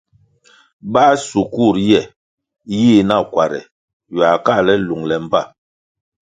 Báh sikur ye yih nakuare ywiah káhle lungle mbpa.